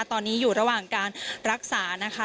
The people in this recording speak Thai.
ตอนนี้อยู่ระหว่างการรักษานะคะ